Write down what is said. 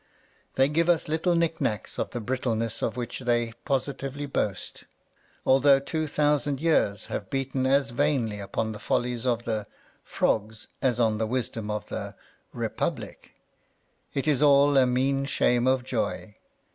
They give us little knickknacks of the brittleness of which they positively boast, although two thousand years have beaten as vainly upon the follies of the " Frogs " as on A Defence of Farce the wisdom of the *' Republic." It is all a mean shame of joy.